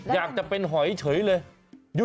อยากจะเป็นหอยเฉยเลย